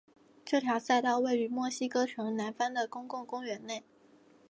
这条赛道位于墨西哥城南方的的公共公园内。